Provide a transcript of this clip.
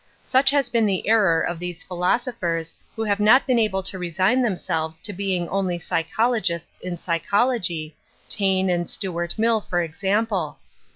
Such has been the error of those philosophers who have not been able to resign themselves to being only psychologists in psychology, Taine and Stuart Mill, for example.